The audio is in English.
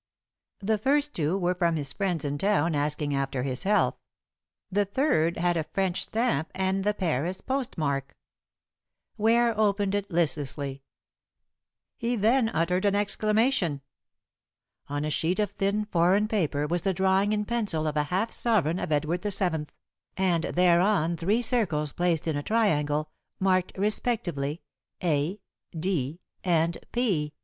The first two were from friends in town asking after his health; the third had a French stamp and the Paris postmark. Ware opened it listlessly. He then uttered an exclamation. On a sheet of thin foreign paper was the drawing in pencil of a half sovereign of Edward VII., and thereon three circles placed in a triangle, marked respectively "A," "D," and "P."